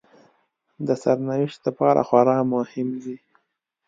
د سرنوشت لپاره خورا مهم دي